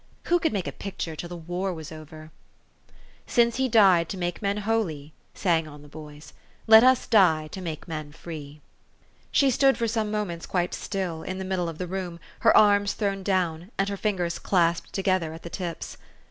Who could make a picture till the war was over ?" Since he died to make men holy," sang on the boys, " Let us die to make men free." She stood for some moments quite still, in the mid dle of the room, her arms thrown down, and her fingers clasped together at the tips.